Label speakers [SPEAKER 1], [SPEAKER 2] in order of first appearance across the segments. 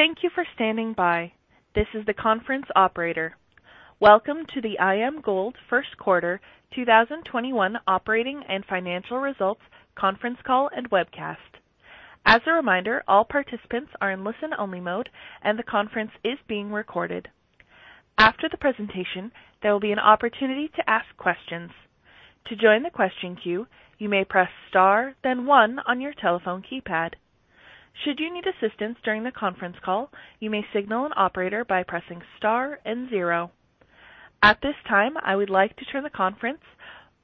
[SPEAKER 1] Thank you for standing by. This is the conference operator. Welcome to the IAMGOLD first quarter 2021 operating and financial results conference call and webcast. As a reminder, all participants are in listen-only mode, and the conference is being recorded. After the presentation, there will be an opportunity to ask questions. To join the question queue, you may press star then one on your telephone keypad. Should you need assistance during the conference call, you may signal an operator by pressing star and zero. At this time, I would like to turn the conference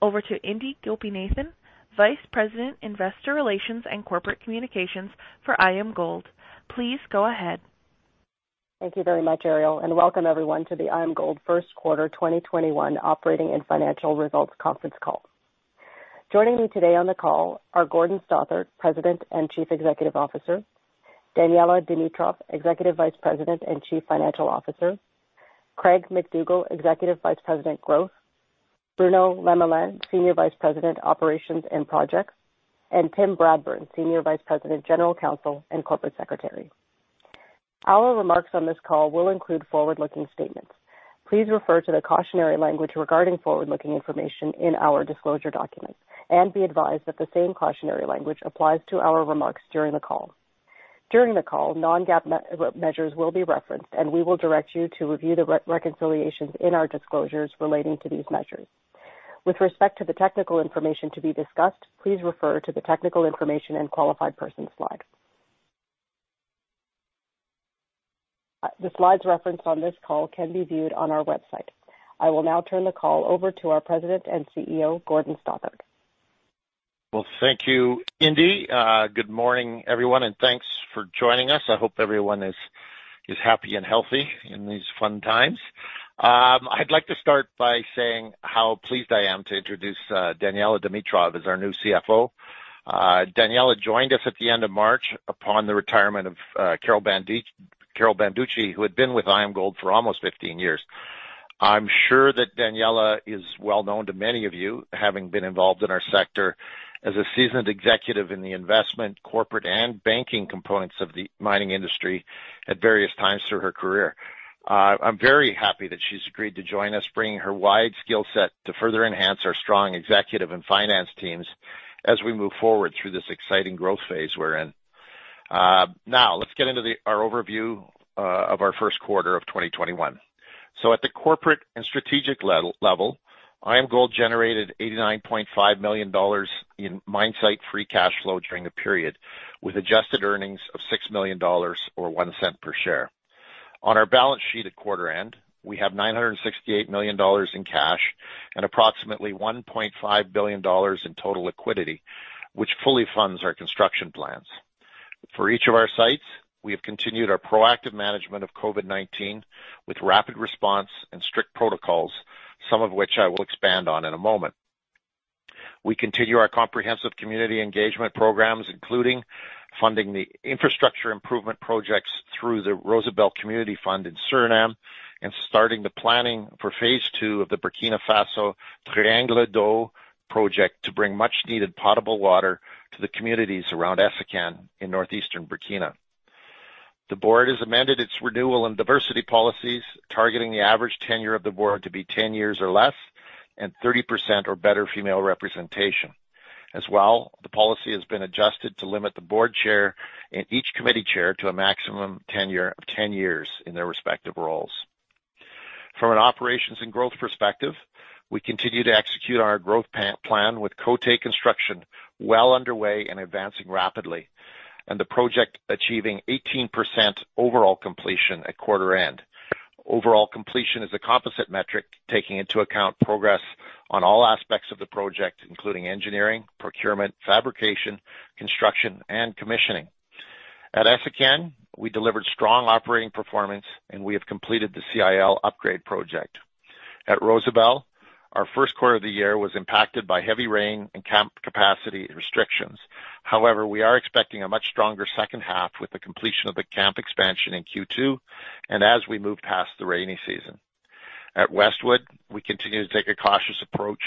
[SPEAKER 1] over to Indi Gopinathan, Vice President, Investor Relations and Corporate Communications for IAMGOLD. Please go ahead.
[SPEAKER 2] Thank you very much, Ariel, and welcome everyone to the IAMGOLD first quarter 2021 operating and financial results conference call. Joining me today on the call are Gordon Stothart, President and Chief Executive Officer, Daniella Dimitrov, Executive Vice President and Chief Financial Officer, Craig MacDougall, Executive Vice President, Growth, Bruno Lemelin, Senior Vice President, Operations and Projects, and Tim Bradburn, Senior Vice President, General Counsel and Corporate Secretary. Our remarks on this call will include forward-looking statements. Please refer to the cautionary language regarding forward-looking information in our disclosure documents, and be advised that the same cautionary language applies to our remarks during the call. During the call, non-GAAP measures will be referenced, and we will direct you to review the reconciliations in our disclosures relating to these measures. With respect to the technical information to be discussed, please refer to the technical information and qualified persons slide. The slides referenced on this call can be viewed on our website. I will now turn the call over to our President and CEO, Gordon Stothart.
[SPEAKER 3] Well, thank you, Indi. Good morning, everyone, and thanks for joining us. I hope everyone is happy and healthy in these fun times. I'd like to start by saying how pleased I am to introduce Daniella Dimitrov as our new CFO. Daniella joined us at the end of March upon the retirement of Carol Banducci, who had been with IAMGOLD for almost 15 years. I'm sure that Daniella is well known to many of you, having been involved in our sector as a seasoned executive in the investment, corporate, and banking components of the mining industry at various times through her career. I'm very happy that she's agreed to join us, bringing her wide skill set to further enhance our strong executive and finance teams as we move forward through this exciting growth phase we're in. Now, let's get into our overview of our first quarter of 2021. At the corporate and strategic level, IAMGOLD generated $89.5 million in mine-site free cash flow during the period, with adjusted earnings of $6 million, or $0.01 per share. On our balance sheet at quarter end, we have $968 million in cash and approximately $1.5 billion in total liquidity, which fully funds our construction plans. For each of our sites, we have continued our proactive management of COVID-19 with rapid response and strict protocols, some of which I will expand on in a moment. We continue our comprehensive community engagement programs, including funding the infrastructure improvement projects through the Rosebel Community Fund in Suriname and starting the planning for phase II of the Burkina Faso Triangle d'eau Project to bring much needed potable water to the communities around Essakane in northeastern Burkina. The board has amended its renewal and diversity policies, targeting the average tenure of the board to be 10 years or less and 30% or better female representation. As well, the policy has been adjusted to limit the board chair and each committee chair to a maximum tenure of 10 years in their respective roles. From an operations and growth perspective, we continue to execute our growth plan with Côté construction well underway and advancing rapidly, and the project achieving 18% overall completion at quarter end. Overall completion is a composite metric taking into account progress on all aspects of the project, including engineering, procurement, fabrication, construction, and commissioning. At Essakane, we delivered strong operating performance, and we have completed the CIL upgrade project. At Rosebel, our first quarter of the year was impacted by heavy rain and camp capacity restrictions. We are expecting a much stronger second half with the completion of the camp expansion in Q2 and as we move past the rainy season. At Westwood, we continue to take a cautious approach,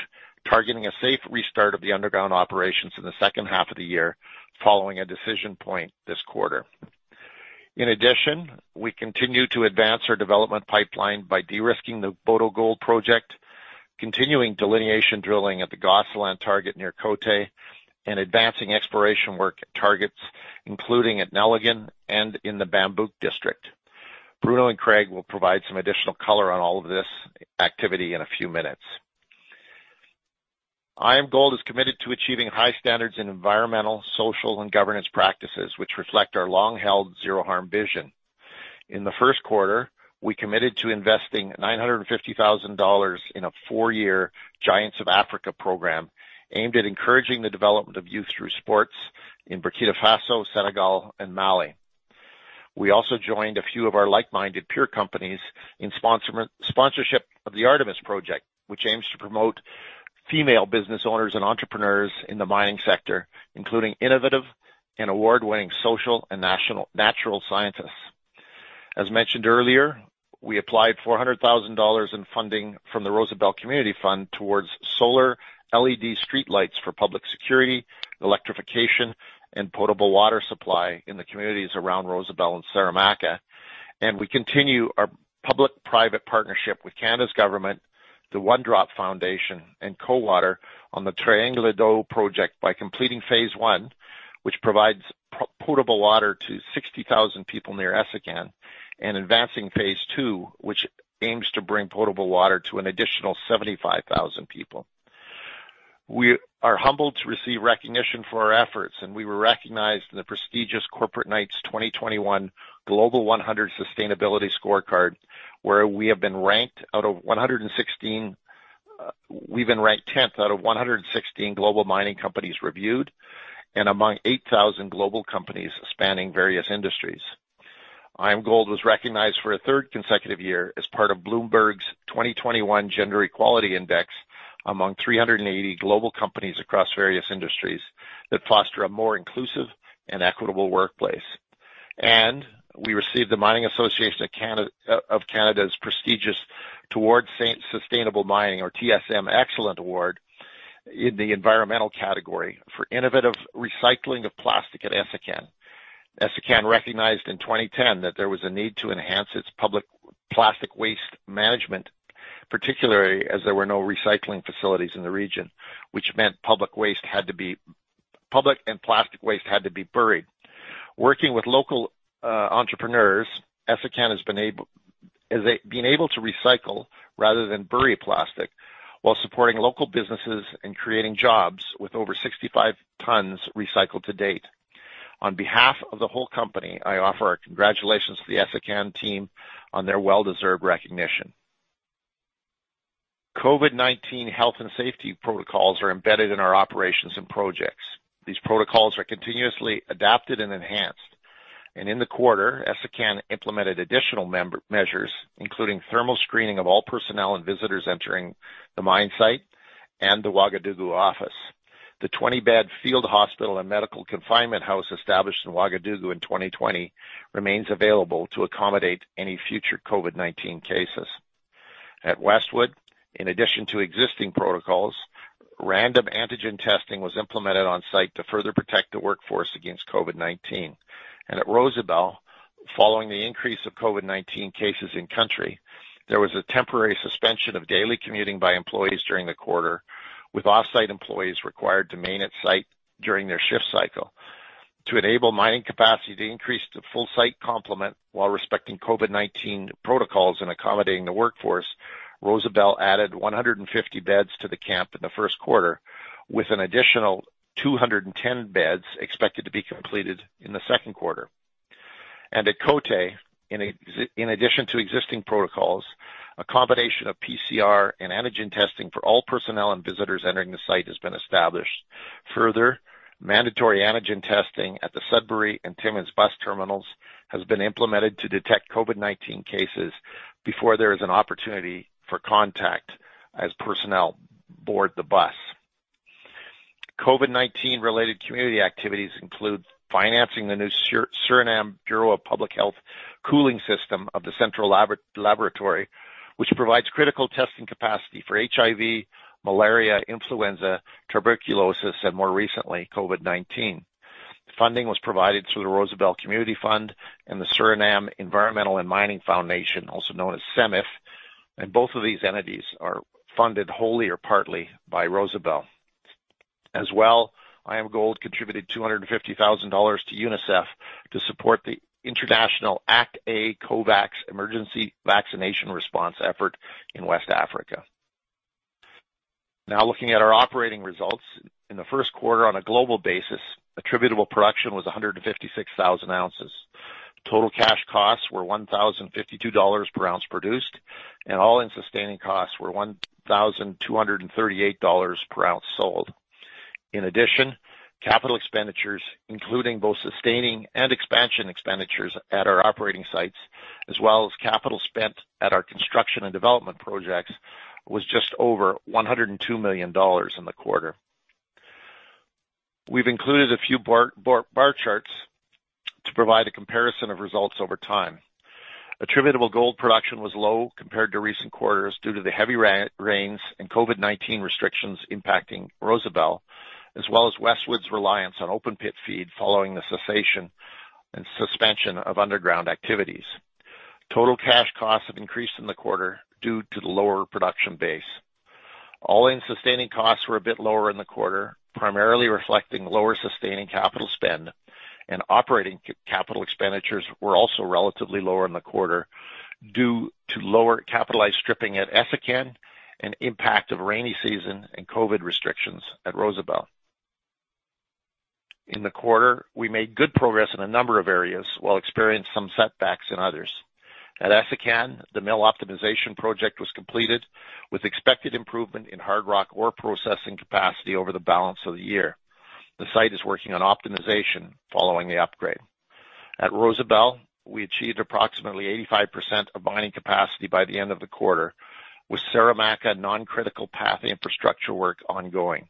[SPEAKER 3] targeting a safe restart of the underground operations in the second half of the year following a decision point this quarter. In addition, we continue to advance our development pipeline by de-risking the Boto Gold Project, continuing delineation drilling at the Gosselin target near Côté, and advancing exploration work at targets, including at Nelligan and in the Bambouk District. Bruno and Craig will provide some additional color on all of this activity in a few minutes. IAMGOLD is committed to achieving high standards in environmental, social, and governance practices, which reflect our long-held zero harm vision. In the first quarter, we committed to investing $950,000 in a four-year Giants of Africa program aimed at encouraging the development of youth through sports in Burkina Faso, Senegal, and Mali. We also joined a few of our like-minded peer companies in sponsorship of the Artemis Project, which aims to promote female business owners and entrepreneurs in the mining sector, including innovative and award-winning social and natural scientists. As mentioned earlier, we applied $400,000 in funding from the Rosebel Community Fund towards solar LED streetlights for public security, electrification, and potable water supply in the communities around Rosebel and Saramacca. We continue our public-private partnership with Canada's government, the One Drop Foundation, and Cowater on the Triangle d'eau project by completing phase I, which provides potable water to 60,000 people near Essakane, and advancing phase II, which aims to bring potable water to an additional 75,000 people. We are humbled to receive recognition for our efforts, and we were recognized in the prestigious Corporate Knights 2021 Global 100 Sustainability Scorecard, where we've been ranked tenth out of 116 global mining companies reviewed, and among 8,000 global companies spanning various industries. IAMGOLD was recognized for a third consecutive year as part of Bloomberg's 2021 Gender Equality Index among 380 global companies across various industries that foster a more inclusive and equitable workplace. We received the Mining Association of Canada's prestigious Towards Sustainable Mining, or TSM Excellence Award in the environmental category for innovative recycling of plastic at Essakane. Essakane recognized in 2010 that there was a need to enhance its public plastic waste management, particularly as there were no recycling facilities in the region, which meant public and plastic waste had to be buried. Working with local entrepreneurs, Essakane has been able to recycle rather than bury plastic while supporting local businesses and creating jobs with over 65 tons recycled to date. On behalf of the whole company, I offer our congratulations to the Essakane team on their well-deserved recognition. COVID-19 health and safety protocols are embedded in our operations and projects. These protocols are continuously adapted and enhanced. In the quarter, Essakane implemented additional measures, including thermal screening of all personnel and visitors entering the mine site and the Ouagadougou office. The 20-bed field hospital and medical confinement house established in Ouagadougou in 2020 remains available to accommodate any future COVID-19 cases. At Westwood, in addition to existing protocols, random antigen testing was implemented on-site to further protect the workforce against COVID-19. At Rosebel, following the increase of COVID-19 cases in-country, there was a temporary suspension of daily commuting by employees during the quarter, with off-site employees required to remain at site during their shift cycle. To enable mining capacity to increase to full site complement while respecting COVID-19 protocols and accommodating the workforce, Rosebel added 150 beds to the camp in the first quarter, with an additional 210 beds expected to be completed in the second quarter. At Côté, in addition to existing protocols, a combination of PCR and antigen testing for all personnel and visitors entering the site has been established. Further, mandatory antigen testing at the Sudbury and Timmins bus terminals has been implemented to detect COVID-19 cases before there is an opportunity for contact as personnel board the bus. COVID-19 related community activities include financing the new Suriname Bureau of Public Health cooling system of the central laboratory, which provides critical testing capacity for HIV, malaria, influenza, tuberculosis, and more recently, COVID-19. Funding was provided through the Rosebel Community Fund and the Suriname Environmental and Mining Foundation, also known as SEMiF. Both of these entities are funded wholly or partly by Rosebel. IAMGOLD contributed $250,000 to UNICEF to support the international ACT-A COVAX emergency vaccination response effort in West Africa. Looking at our operating results. In the first quarter on a global basis, attributable production was 156,000 ounces. Total cash costs were $1,052 per ounce produced, and all-in sustaining costs were $1,238 per ounce sold. Capital expenditures, including both sustaining and expansion expenditures at our operating sites, as well as capital spent at our construction and development projects, was just over $102 million in the quarter. We've included a few bar charts to provide a comparison of results over time. Attributable gold production was low compared to recent quarters due to the heavy rains and COVID-19 restrictions impacting Rosebel, as well as Westwood's reliance on open pit feed following the cessation and suspension of underground activities. Total cash costs have increased in the quarter due to the lower production base. All-in sustaining costs were a bit lower in the quarter, primarily reflecting lower sustaining capital spend, and operating capital expenditures were also relatively lower in the quarter due to lower capitalized stripping at Essakane and impact of rainy season and COVID restrictions at Rosebel. In the quarter, we made good progress in a number of areas while experienced some setbacks in others. At Essakane, the mill optimization project was completed with expected improvement in hard rock ore processing capacity over the balance of the year. The site is working on optimization following the upgrade. At Rosebel, we achieved approximately 85% of mining capacity by the end of the quarter, with Saramacca non-critical path infrastructure work ongoing.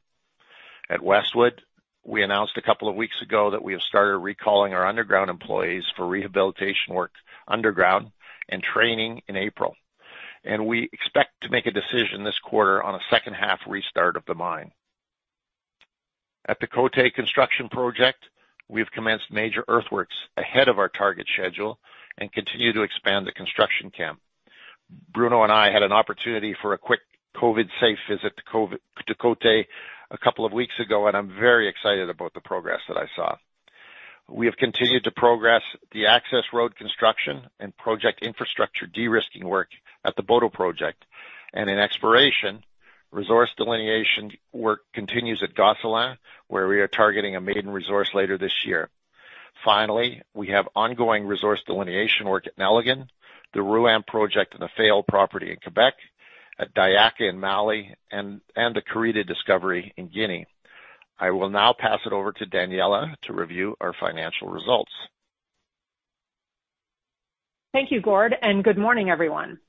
[SPEAKER 3] At Westwood, we announced a couple of weeks ago that we have started recalling our underground employees for rehabilitation work underground and training in April. We expect to make a decision this quarter on a second half restart of the mine. At the Côté construction project, we have commenced major earthworks ahead of our target schedule and continue to expand the construction camp. Bruno and I had an opportunity for a quick COVID-safe visit to Côté a couple of weeks ago, and I'm very excited about the progress that I saw. We have continued to progress the access road construction and project infrastructure de-risking work at the Boto project. In exploration, resource delineation work continues at Gosselin, where we are targeting a maiden resource later this year. Finally, we have ongoing resource delineation work at Nelligan, the Rouyn project, and the Fayolle property in Québec, at Diaka in Mali, and the Karita discovery in Guinea. I will now pass it over to Daniella to review our financial results.
[SPEAKER 4] Thank you, Gord. Good morning, everyone.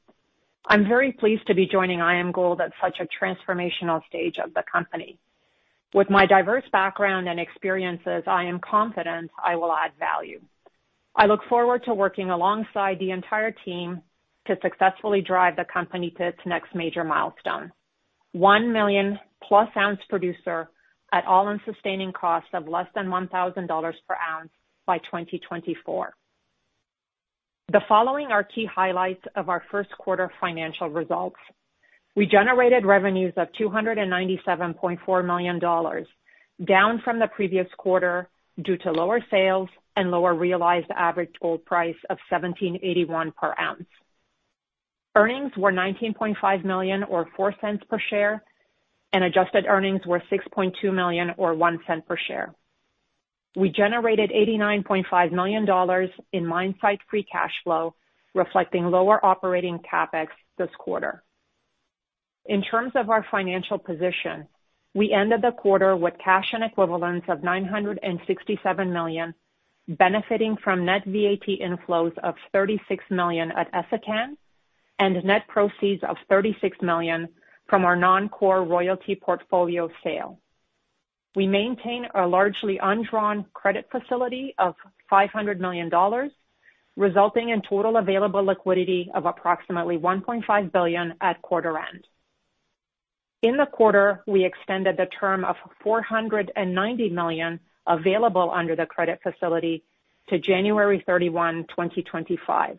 [SPEAKER 4] I'm very pleased to be joining IAMGOLD at such a transformational stage of the company. With my diverse background and experiences, I am confident I will add value. I look forward to working alongside the entire team to successfully drive the company to its next major milestone, 1 million-plus ounce producer at all-in sustaining costs of less than $1,000 per ounce by 2024. The following are key highlights of our first quarter financial results. We generated revenues of $297.4 million, down from the previous quarter due to lower sales and lower realized average gold price of $1,781 per ounce. Earnings were $19.5 million or $0.04 per share, and adjusted earnings were $6.2 million or $0.01 per share. We generated $89.5 million in mine-site free cash flow, reflecting lower operating CapEx this quarter. In terms of our financial position, we ended the quarter with cash and equivalents of $967 million, benefiting from net VAT inflows of $36 million at Essakane and net proceeds of $36 million from our non-core royalty portfolio sale. We maintain a largely undrawn credit facility of $500 million, resulting in total available liquidity of approximately $1.5 billion at quarter end. In the quarter, we extended the term of $490 million available under the credit facility to January 31, 2025.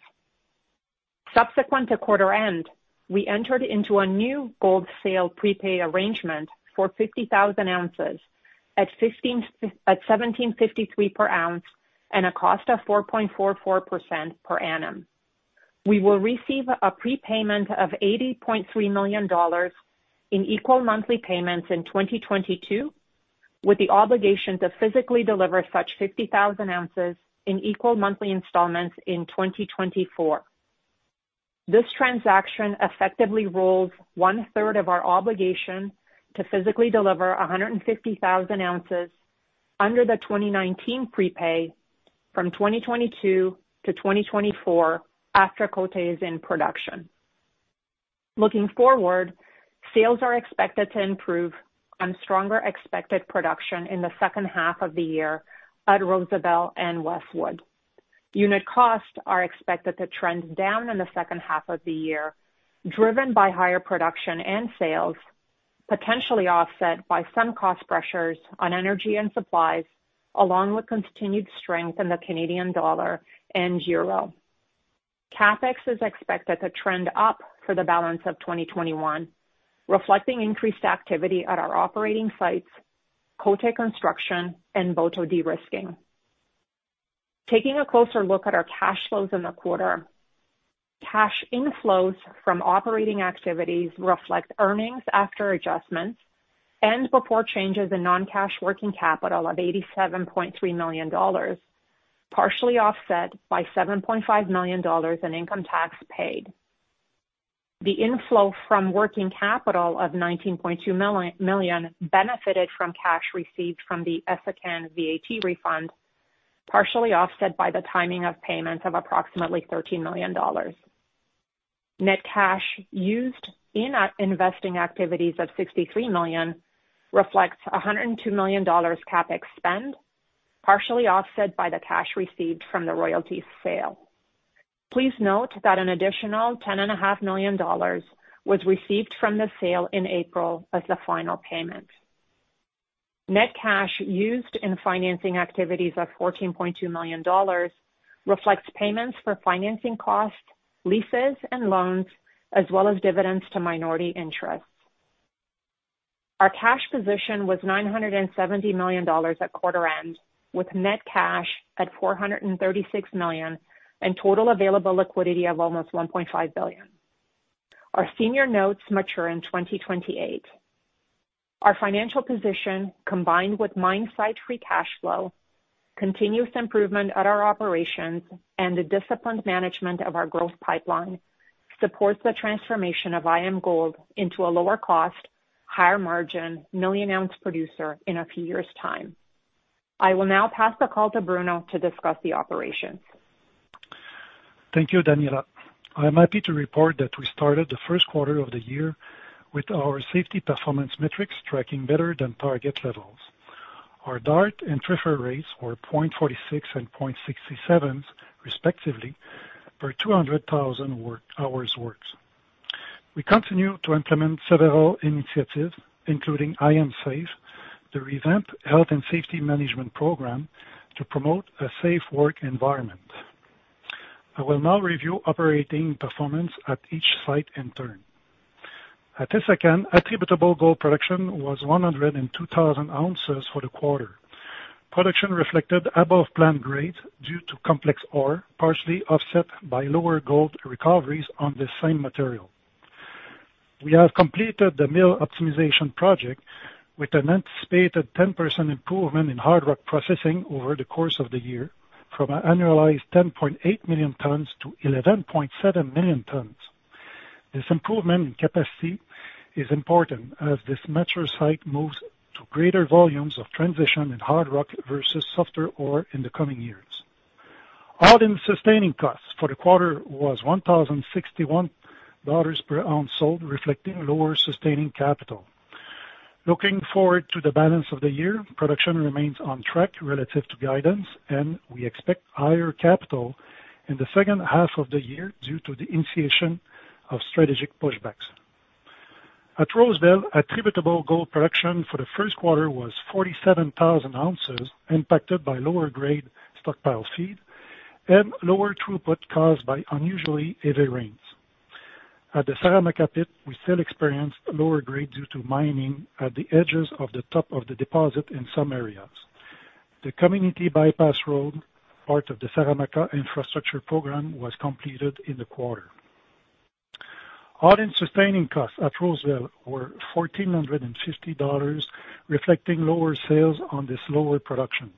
[SPEAKER 4] Subsequent to quarter end, we entered into a new gold sale prepay arrangement for 50,000 ounces at $1,753 per ounce and a cost of 4.44% per annum. We will receive a prepayment of $80.3 million in equal monthly payments in 2022, with the obligation to physically deliver such 50,000 ounces in equal monthly installments in 2024. This transaction effectively rolls one-third of our obligation to physically deliver 150,000 ounces under the 2019 prepay from 2022 to 2024 after Côté is in production. Looking forward, sales are expected to improve on stronger expected production in the second half of the year at Rosebel and Westwood. Unit costs are expected to trend down in the second half of the year, driven by higher production and sales, potentially offset by some cost pressures on energy and supplies, along with continued strength in the Canadian dollar and euro. CapEx is expected to trend up for the balance of 2021, reflecting increased activity at our operating sites, Côté construction, and Boto de-risking. Taking a closer look at our cash flows in the quarter, cash inflows from operating activities reflect earnings after adjustments and before changes in non-cash working capital of $87.3 million, partially offset by $7.5 million in income tax paid. The inflow from working capital of $19.2 million benefited from cash received from the Essakane VAT refund, partially offset by the timing of payment of approximately $13 million. Net cash used in our investing activities of $63 million reflects $102 million CapEx spend, partially offset by the cash received from the royalties sale. Please note that an additional $10.5 million was received from the sale in April as the final payment. Net cash used in financing activities of $14.2 million reflects payments for financing costs, leases, and loans, as well as dividends to minority interests. Our cash position was $970 million at quarter end, with net cash at $436 million and total available liquidity of almost $1.5 billion. Our senior notes mature in 2028. Our financial position, combined with mine-site free cash flow, continuous improvement at our operations, and the disciplined management of our growth pipeline, supports the transformation of IAMGOLD into a lower cost, higher margin, million-ounce producer in a few years' time. I will now pass the call to Bruno to discuss the operations.
[SPEAKER 5] Thank you, Daniella. I'm happy to report that we started the first quarter of the year with our safety performance metrics tracking better than target levels. Our DART and TRIR rates were 0.46 and 0.67 respectively, per 200,000 hours worked. We continue to implement several initiatives, including IAMSAFE, the revamped health and safety management program to promote a safe work environment. I will now review operating performance at each site in turn. At Essakane, attributable gold production was 102,000 ounces for the quarter. Production reflected above-plan grade due to complex ore, partially offset by lower gold recoveries on the same material. We have completed the mill optimization project with an anticipated 10% improvement in hard rock processing over the course of the year from an annualized 10.8 million tons to 11.7 million tons. This improvement in capacity is important as this mature site moves to greater volumes of transition and hard rock versus softer ore in the coming years. All-in sustaining costs for the quarter was $1,061 per ounce sold, reflecting lower sustaining capital. Looking forward to the balance of the year, production remains on track relative to guidance. We expect higher capital in the second half of the year due to the initiation of strategic pushbacks. At Rosebel, attributable gold production for the first quarter was 47,000 ounces, impacted by lower grade stockpile feed and lower throughput caused by unusually heavy rains. At the Saramacca pit, we still experienced lower grade due to mining at the edges of the top of the deposit in some areas. The community bypass road, part of the Saramacca infrastructure program, was completed in the quarter. All-in sustaining costs at Rosebel were $1,450, reflecting lower sales on this lower production.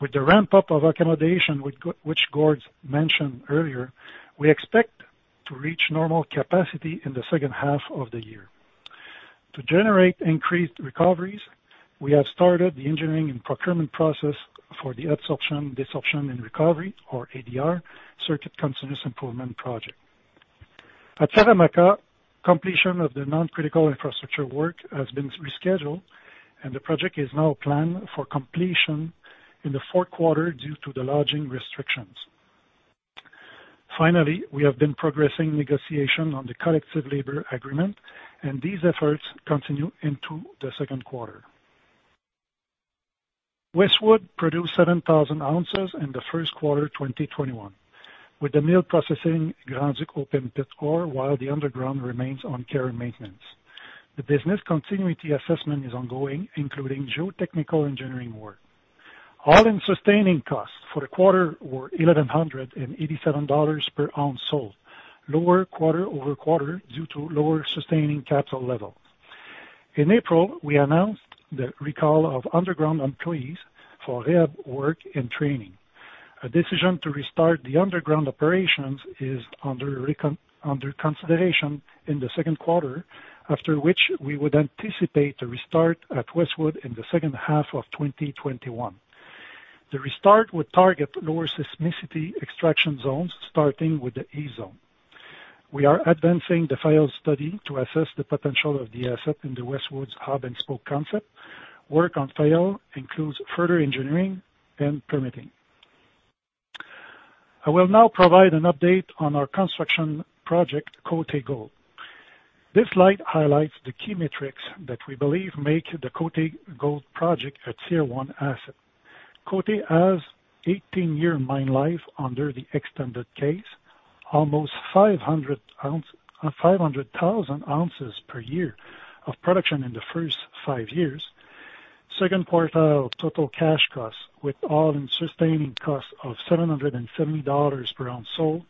[SPEAKER 5] With the ramp-up of accommodation, which Gord mentioned earlier, we expect to reach normal capacity in the second half of the year. To generate increased recoveries, we have started the engineering and procurement process for the adsorption, desorption, and recovery, or ADR, circuit continuous improvement project. At Saramacca, completion of the non-critical infrastructure work has been rescheduled, and the project is now planned for completion in the fourth quarter due to the lodging restrictions. Finally, we have been progressing negotiation on the collective labor agreement, and these efforts continue into the second quarter. Westwood produced 7,000 ounces in the first quarter 2021, with the mill processing Grand Duc open pit ore while the underground remains on care and maintenance. The business continuity assessment is ongoing, including geotechnical engineering work. All-in sustaining costs for the quarter were $1,187 per ounce sold, lower quarter-over-quarter due to lower sustaining capital level. In April, we announced the recall of underground employees for rehab work and training. A decision to restart the underground operations is under consideration in the second quarter, after which we would anticipate the restart at Westwood in the second half of 2021. The restart would target lower seismicity extraction zones, starting with the A zone. We are advancing the Fayolle study to assess the potential of the asset in the Westwood's hub and spoke concept. Work on Fayolle includes further engineering and permitting. I will now provide an update on our construction project, Côté Gold. This slide highlights the key metrics that we believe make the Côté Gold project a Tier 1 asset. Côté has 18-year mine life under the extended case, almost 500,000 ounces per year of production in the first five years. Second quartile total cash costs with all-in sustaining costs of $770 per ounce sold.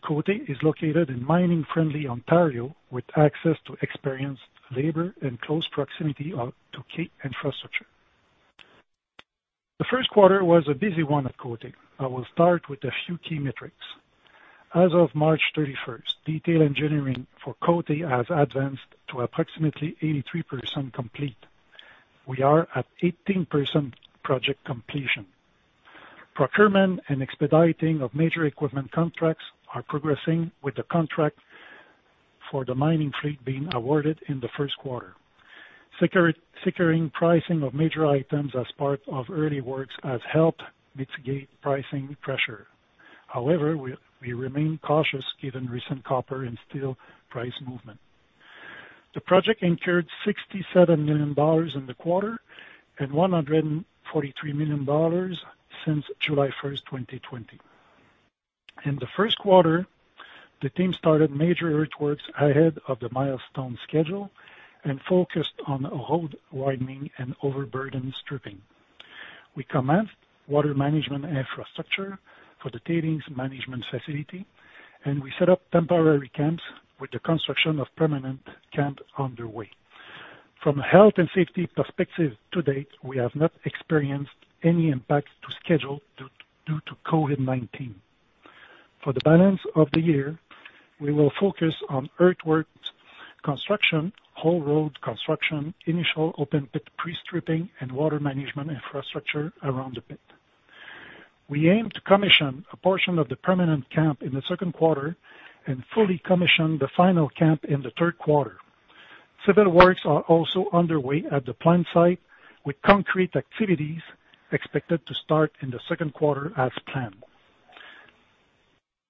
[SPEAKER 5] Côté is located in mining-friendly Ontario with access to experienced labor and close proximity to key infrastructure. The first quarter was a busy one at Côté. I will start with a few key metrics. As of March 31st, detail engineering for Côté has advanced to approximately 83% complete. We are at 18% project completion. Procurement and expediting of major equipment contracts are progressing with the contract for the mining fleet being awarded in the first quarter. Securing pricing of major items as part of early works has helped mitigate pricing pressure. However, we remain cautious given recent copper and steel price movement. The project incurred $67 million in the quarter and $143 million since July 1st, 2020. In the first quarter, the team started major earthworks ahead of the milestone schedule and focused on road widening and overburden stripping. We commenced water management infrastructure for the tailings management facility, and we set up temporary camps with the construction of permanent camp underway. From a health and safety perspective to date, we have not experienced any impact to schedule due to Covid-19. For the balance of the year, we will focus on earthworks construction, haul road construction, initial open pit pre-stripping and water management infrastructure around the pit. We aim to commission a portion of the permanent camp in the second quarter and fully commission the final camp in the third quarter. Civil works are also underway at the plant site, with concrete activities expected to start in the second quarter as planned.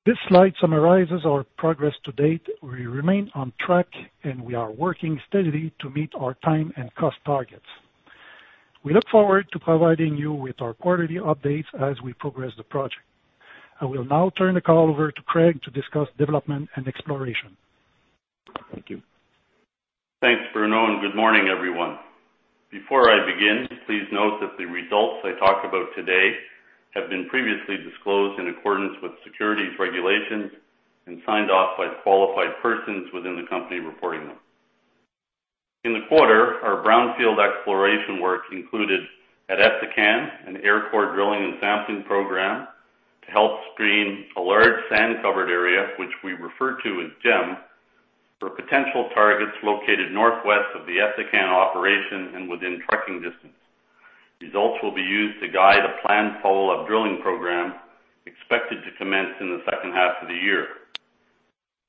[SPEAKER 5] This slide summarizes our progress to date. We remain on track, and we are working steadily to meet our time and cost targets. We look forward to providing you with our quarterly updates as we progress the project. I will now turn the call over to Craig to discuss development and exploration. Thank you.
[SPEAKER 6] Thanks, Bruno. Good morning, everyone. Before I begin, please note that the results I talk about today have been previously disclosed in accordance with securities regulations and signed off by the qualified persons within the company reporting them. In the quarter, our brownfield exploration work included, at Essakane, an air core drilling and sampling program to help screen a large sand-covered area, which we refer to as JAM, for potential targets located northwest of the Essakane operation and within trucking distance. Results will be used to guide a planned follow-up drilling program expected to commence in the second half of the year.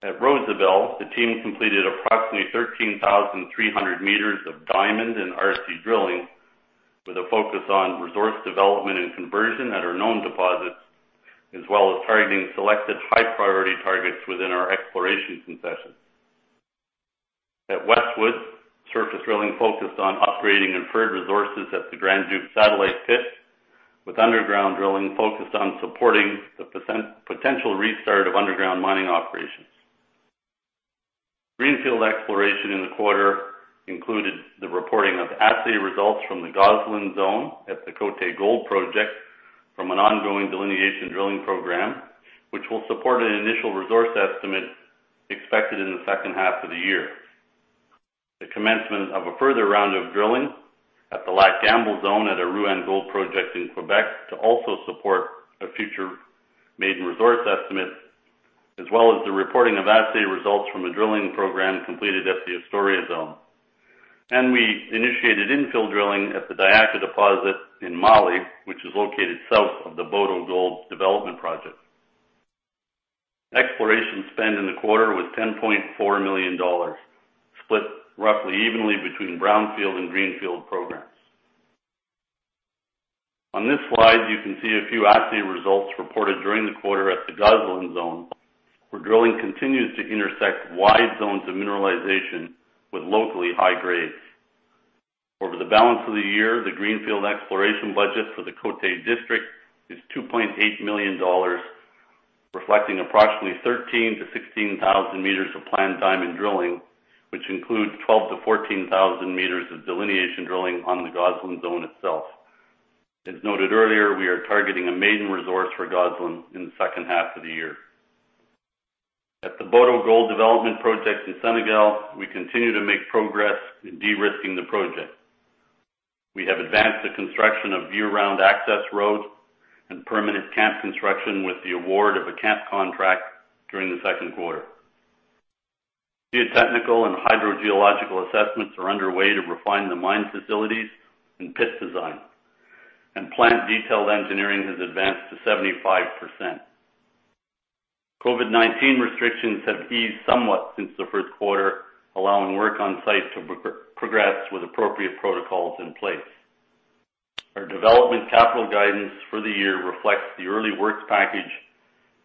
[SPEAKER 6] At Rosebel, the team completed approximately 13,300 meters of diamond and RC drilling with a focus on resource development and conversion at our known deposits, as well as targeting selected high-priority targets within our exploration concessions. At Westwood, surface drilling focused on upgrading inferred resources at the Grand Duc satellite pit, with underground drilling focused on supporting the potential restart of underground mining operations. Greenfield exploration in the quarter included the reporting of assay results from the Gosselin zone at the Côté Gold Project from an ongoing delineation drilling program, which will support an initial resource estimate expected in the second half of the year, the commencement of a further round of drilling at the Lac Gamble zone at Rouyn Gold Project in Québec to also support a future maiden resource estimate, as well as the reporting of assay results from a drilling program completed at the Astoria zone. We initiated infill drilling at the Diaka deposit in Mali, which is located south of the Boto Gold Development Project. Exploration spend in the quarter was $10.4 million, split roughly evenly between brownfield and greenfield programs. On this slide, you can see a few assay results reported during the quarter at the Gosselin zone, where drilling continues to intersect wide zones of mineralization with locally high grades. Over the balance of the year, the greenfield exploration budget for the Côté district is $2.8 million, reflecting approximately 13,000-16,000 meters of planned diamond drilling, which includes 12,000-14,000 meters of delineation drilling on the Gosselin zone itself. As noted earlier, we are targeting a maiden resource for Gosselin in the second half of the year. At the Boto Gold Development Project in Senegal, we continue to make progress in de-risking the project. We have advanced the construction of year-round access roads and permanent camp construction with the award of a camp contract during the second quarter. Geotechnical and hydrogeological assessments are underway to refine the mine facilities and pit design, plant detailed engineering has advanced to 75%. COVID-19 restrictions have eased somewhat since the first quarter, allowing work on-site to progress with appropriate protocols in place. Our development capital guidance for the year reflects the early works package,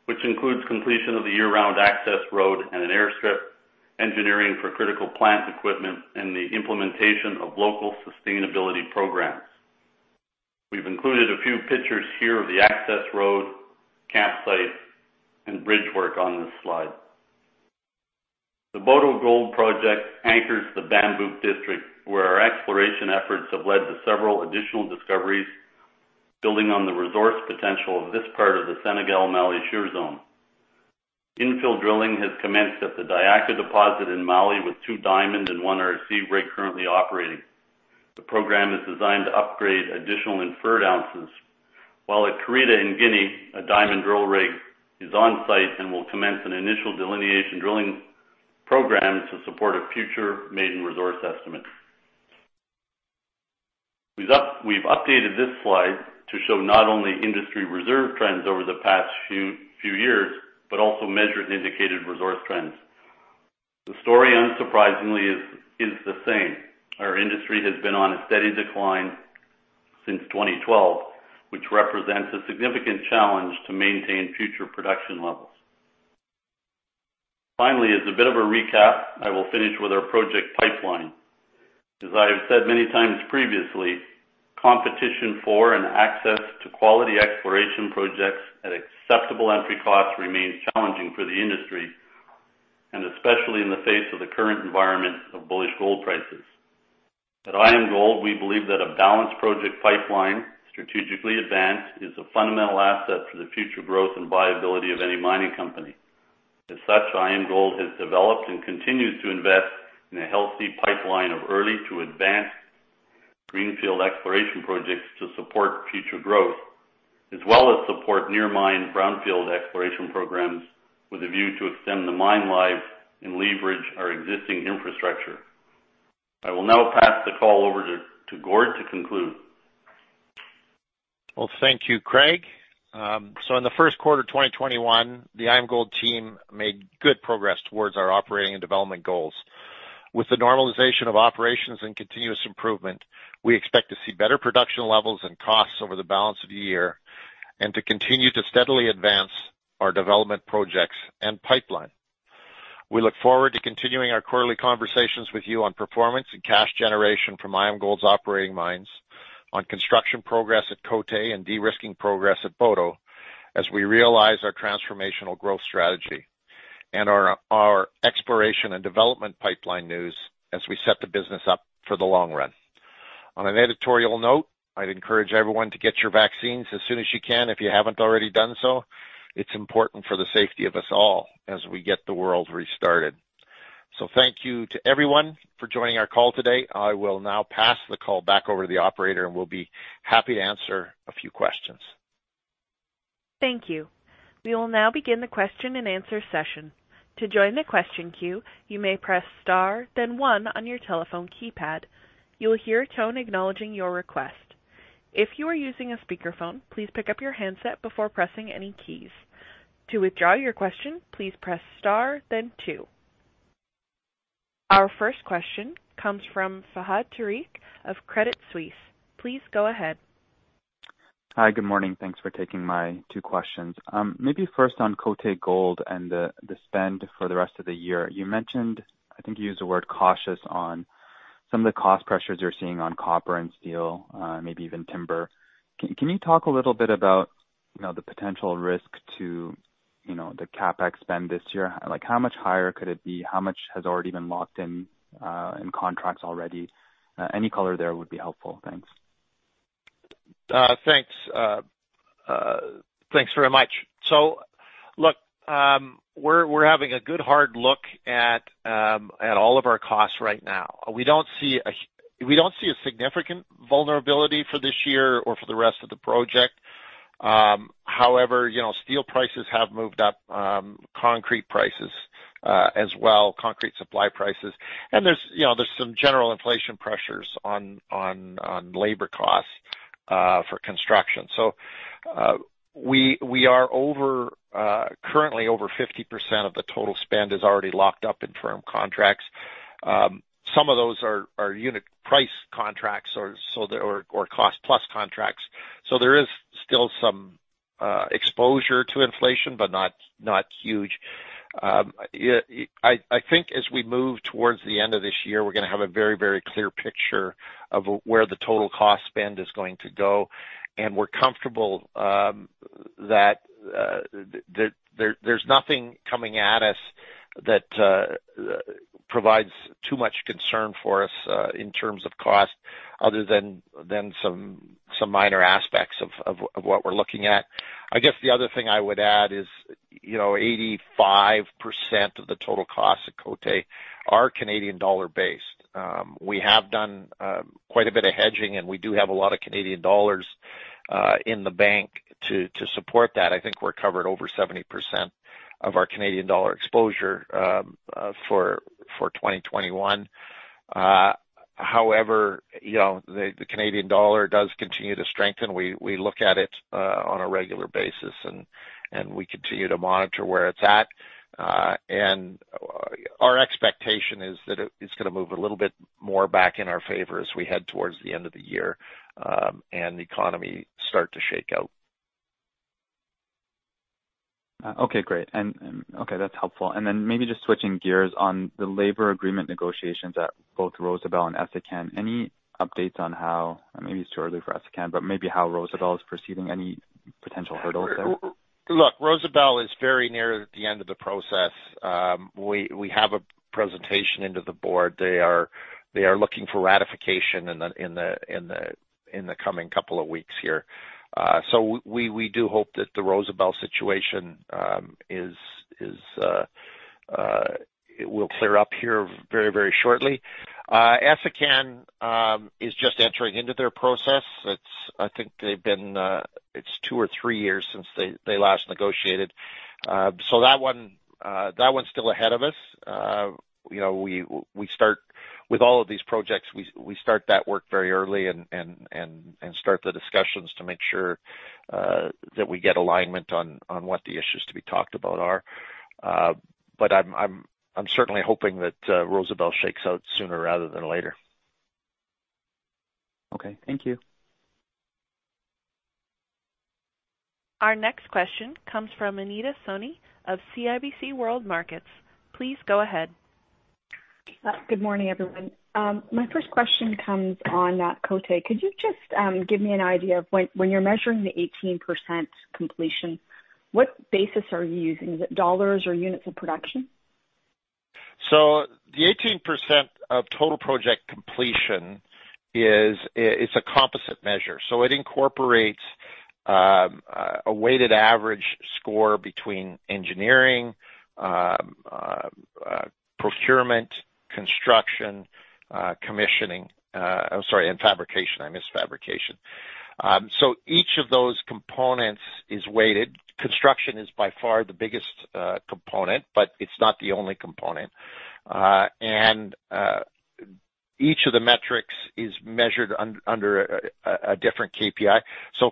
[SPEAKER 6] which includes completion of the year-round access road and an airstrip, engineering for critical plant equipment, and the implementation of local sustainability programs. We've included a few pictures here of the access road, camp site, and bridge work on this slide. The Boto Gold Project anchors the Bambouk district, where our exploration efforts have led to several additional discoveries, building on the resource potential of this part of the Senegal-Mali Shear Zone. Infill drilling has commenced at the Diaka deposit in Mali, with two diamond and one RC rig currently operating. The program is designed to upgrade additional inferred ounces. While at Karita in Guinea, a diamond drill rig is on-site and will commence an initial delineation drilling program to support a future maiden resource estimate. We've updated this slide to show not only industry reserve trends over the past few years but also measured indicated resource trends. The story, unsurprisingly, is the same. Our industry has been on a steady decline since 2012, which represents a significant challenge to maintain future production levels. Finally, as a bit of a recap, I will finish with our project pipeline. As I have said many times previously, competition for and access to quality exploration projects at acceptable entry costs remains challenging for the industry, and especially in the face of the current environment of bullish gold prices. At IAMGOLD, we believe that a balanced project pipeline, strategically advanced, is a fundamental asset to the future growth and viability of any mining company. As such, IAMGOLD has developed and continues to invest in a healthy pipeline of early to advanced Greenfield exploration projects to support future growth, as well as support near mine brownfield exploration programs with a view to extend the mine life and leverage our existing infrastructure. I will now pass the call over to Gord to conclude.
[SPEAKER 3] Well, thank you, Craig. In the first quarter of 2021, the IAMGOLD team made good progress towards our operating and development goals. With the normalization of operations and continuous improvement, we expect to see better production levels and costs over the balance of the year, and to continue to steadily advance our development projects and pipeline. We look forward to continuing our quarterly conversations with you on performance and cash generation from IAMGOLD's operating mines, on construction progress at Côté and de-risking progress at Boto, as we realize our transformational growth strategy, and our exploration and development pipeline news as we set the business up for the long run. On an editorial note, I'd encourage everyone to get your vaccines as soon as you can, if you haven't already done so. It's important for the safety of us all as we get the world restarted. Thank you to everyone for joining our call today. I will now pass the call back over to the operator, and we'll be happy to answer a few questions.
[SPEAKER 1] Thank you. We will now begin the question and answer session. To join the question queue, you may press star, then one on your telephone keypad. You will hear a tone acknowledging your request. If you are using a speakerphone, please pick up your handset before pressing any keys. To withdraw your question, please press star, then two. Our first question comes from Fahad Tariq of Credit Suisse. Please go ahead.
[SPEAKER 7] Hi. Good morning. Thanks for taking my two questions. Maybe first on Côté Gold and the spend for the rest of the year. You mentioned, I think you used the word cautious on some of the cost pressures you're seeing on copper and steel, maybe even timber. Can you talk a little bit about the potential risk to the CapEx spend this year? How much higher could it be? How much has already been locked in contracts already? Any color there would be helpful. Thanks.
[SPEAKER 3] Thanks very much. Look, we're having a good hard look at all of our costs right now. We don't see a significant vulnerability for this year or for the rest of the project. However, steel prices have moved up, concrete prices as well, concrete supply prices. There's some general inflation pressures on labor costs for construction. We are currently over 50% of the total spend is already locked up in firm contracts. Some of those are unit price contracts or cost-plus contracts. There is still some exposure to inflation, but not huge. I think as we move towards the end of this year, we're going to have a very clear picture of where the total cost spend is going to go. we're comfortable that there's nothing coming at us that provides too much concern for us in terms of cost other than some minor aspects of what we're looking at. I guess the other thing I would add is 85% of the total costs at Côté are Canadian dollar based. We have done quite a bit of hedging, and we do have a lot of Canadian dollars in the bank to support that. I think we're covered over 70% of our Canadian dollar exposure for 2021. The Canadian dollar does continue to strengthen. We look at it on a regular basis, and we continue to monitor where it's at. Our expectation is that it's going to move a little bit more back in our favor as we head towards the end of the year, and the economy start to shake out.
[SPEAKER 7] Okay, great. That's helpful. Maybe just switching gears on the labor agreement negotiations at both Rosebel and Essakane. Any updates on how, maybe it's too early for Essakane, but maybe how Rosebel is proceeding? Any potential hurdles there?
[SPEAKER 3] Rosebel is very near the end of the process. We have a presentation into the board. They are looking for ratification in the coming couple of weeks here. We do hope that the Rosebel situation will clear up here very shortly. Essakane is just entering into their process. I think it's two or three years since they last negotiated. That one's still ahead of us. With all of these projects, we start that work very early and start the discussions to make sure that we get alignment on what the issues to be talked about are. I'm certainly hoping that Rosebel shakes out sooner rather than later.
[SPEAKER 7] Okay. Thank you.
[SPEAKER 1] Our next question comes from Anita Soni of CIBC World Markets. Please go ahead.
[SPEAKER 8] Good morning, everyone. My first question comes on Côté. Could you just give me an idea of when you're measuring the 18% completion, what basis are you using? Is it dollars or units of production?
[SPEAKER 3] The 18% of total project completion is a composite measure. It incorporates a weighted average score between engineering, procurement, construction, commissioning. I'm sorry, and fabrication. I missed fabrication. Each of those components is weighted. Construction is by far the biggest component, but it's not the only component. Each of the metrics is measured under a different KPI.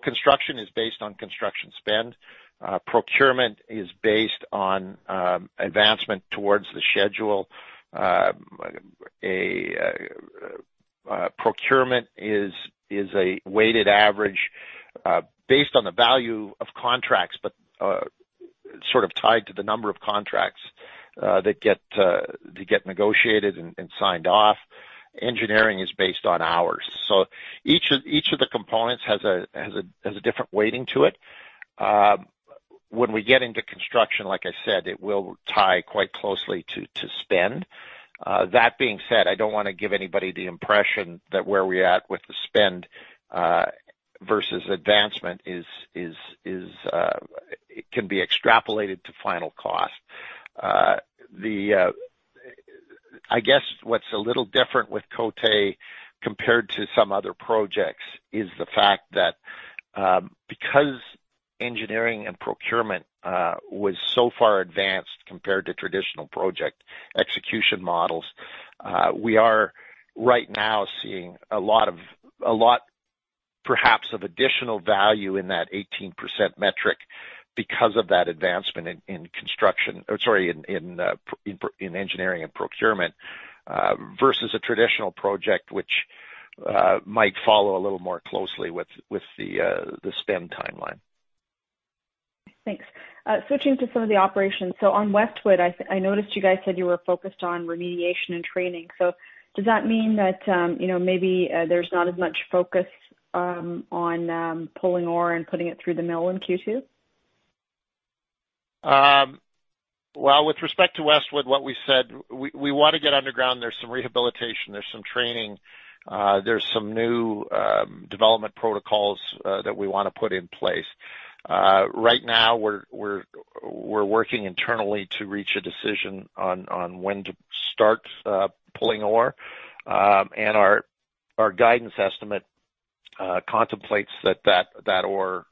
[SPEAKER 3] Construction is based on construction spend. Procurement is based on advancement towards the schedule. Procurement is a weighted average based on the value of contracts, but sort of tied to the number of contracts that get negotiated and signed off. Engineering is based on hours. Each of the components has a different weighting to it. When we get into construction, like I said, it will tie quite closely to spend. That being said, I don't want to give anybody the impression that where we at with the spend versus advancement can be extrapolated to final cost. I guess what's a little different with Côté compared to some other projects is the fact that because engineering and procurement was so far advanced compared to traditional project execution models, we are right now seeing a lot perhaps of additional value in that 18% metric because of that advancement in engineering and procurement, versus a traditional project which might follow a little more closely with the spend timeline.
[SPEAKER 8] Thanks. Switching to some of the operations. On Westwood, I noticed you guys said you were focused on remediation and training. Does that mean that maybe there's not as much focus on pulling ore and putting it through the mill in Q2?
[SPEAKER 3] Well, with respect to Westwood, what we said, we want to get underground. There's some rehabilitation, there's some training, there's some new development protocols that we want to put in place. Right now, we're working internally to reach a decision on when to start pulling ore. Our guidance estimate contemplates that ore